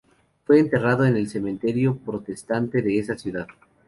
Fue enterrado en el cementerio protestante de esa ciudad.